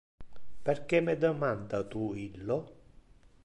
Perque me demanda tu illo?